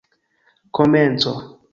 komenco